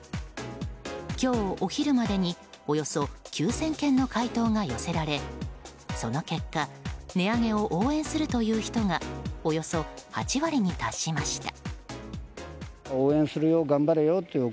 今日お昼までにおよそ９０００件の回答が寄せられ、その結果値上げを応援するという人がおよそ８割に達しました。